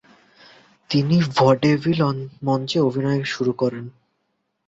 তিনি ভডেভিল মঞ্চে অভিনয় শুরু করেন।